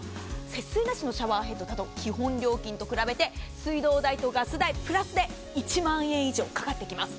節水なしのシャワーヘッドだと基本料金と比べて水道代とガス代プラスで１万円以上かかってきます。